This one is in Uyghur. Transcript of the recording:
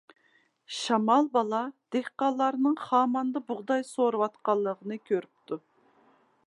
شامال بالا دېھقانلارنىڭ خاماندا بۇغداي سورۇۋاتقانلىقىنى كۆرۈپتۇ.